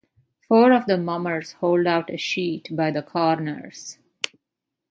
Four of the mummers hold out a sheet by the corners.